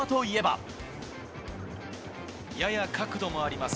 やや角度もあります。